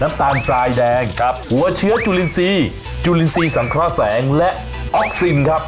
ตาลทรายแดงกับหัวเชื้อจุลินทรีย์จุลินทรีย์สังเคราะห์แสงและออกซินครับ